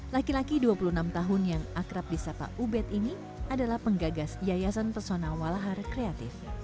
laki laki dua puluh enam tahun yang akrab di sapa ubed ini adalah penggagas yayasan persona walahar kreatif